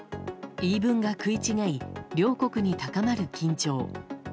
言い分が食い違い両国に高まる緊張。